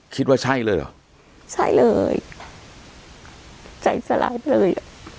คิดว่าใช่เลยเหรอใช่เลยใจสลายไปเลยอ่ะ